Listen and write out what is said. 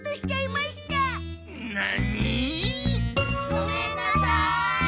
ごめんなさい！